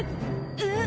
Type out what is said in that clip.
えっ？